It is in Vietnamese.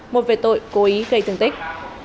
một về tội cố ý gây thương tích